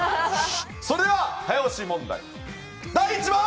それでは早押し問題第１問！